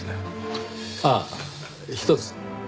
ああひとつ。